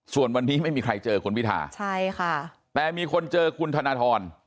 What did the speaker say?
ส่วนวันนี้ไม่มีใครเจอคุณพิทาใช่ค่ะแต่มีคนเจอคุณธนทร